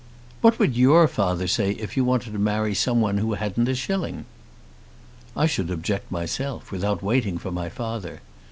"What would your father say if you wanted to marry someone who hadn't a shilling?" "I should object myself, without waiting for my father.